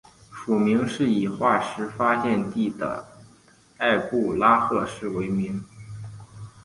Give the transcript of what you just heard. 属名是以化石发现地的埃布拉赫市为名。